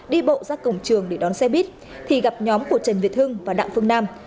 đi bộ ra cổng trường để đón xe buýt thì gặp nhóm của trần việt hưng và đặng phương nam